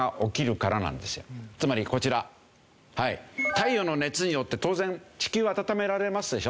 太陽の熱によって当然地球は暖められますでしょ？